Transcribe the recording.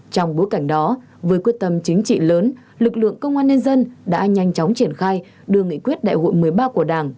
trong bối cảnh đó với quyết tâm chính trị lớn lực lượng công an nhân dân đã nhanh chóng triển khai đưa nghị quyết đại hội một mươi ba của đảng